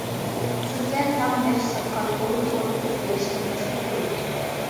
سىزگە تام مەش ساتقان ئورۇن ئورنىتىپ بېرىشكە مەسئۇل بولىدۇ.